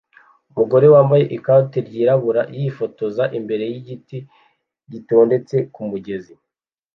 Umugore wambaye ikote ryirabura yifotoza imbere yigiti gitondetse kumugezi